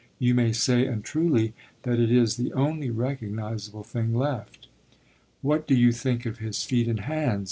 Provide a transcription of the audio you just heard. You may say, and truly, that it is the only recognisable thing left. What do you think of his feet and hands?